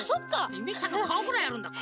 ゆめちゃんのかおぐらいあるんだから。